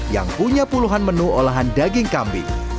yang punya puluhan menu olahan daging kambing